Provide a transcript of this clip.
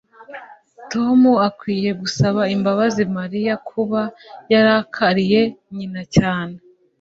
tom akwiye gusaba imbabazi mariya kuba yarakariye nyina cyane